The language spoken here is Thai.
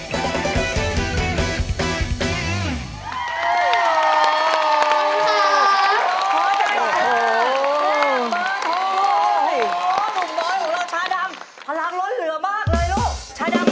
แหละเบอร์โท